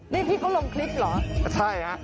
นี่พี่ก็ลมคลิปเหรอ